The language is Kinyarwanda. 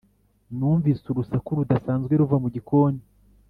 numvise urusaku rudasanzwe ruva mu gikoni.